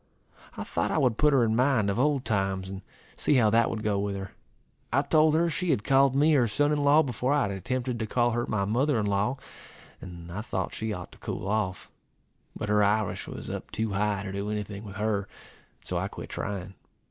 I thought I would put her in mind of old times, and see how that would go with her. I told her she had called me her son in law before I had attempted to call her my mother in law and I thought she ought to cool off. But her Irish was up too high to do any thing with her, and so I quit trying.